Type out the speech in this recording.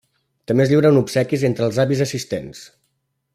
També es lliuren obsequis entre els avis assistents.